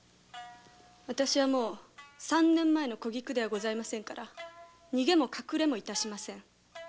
私は３年前の小菊ではありませんから逃げも隠れもしません。